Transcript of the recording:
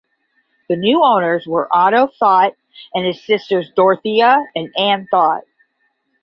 The new owners were Otto Thott and his sisters Dorothea and Anne Thott.